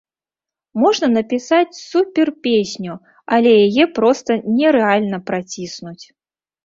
Можна напісаць супер-песню, але яе проста нерэальна праціснуць.